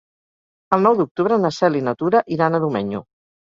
El nou d'octubre na Cel i na Tura iran a Domenyo.